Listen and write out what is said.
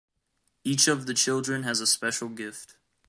Each of the children has a special gift.